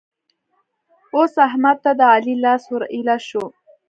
اوس احمد ته د علي لاس ور ايله شو.